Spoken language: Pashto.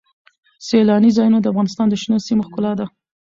سیلاني ځایونه د افغانستان د شنو سیمو ښکلا ده.